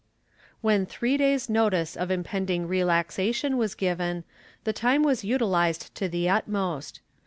When three days' notice of impending relaxation was given, the time was utilized to the utmost.